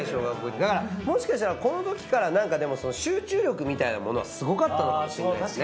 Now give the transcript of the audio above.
だからもしかしたらこのときから集中力みたいなものはすごかったかもしれないですね。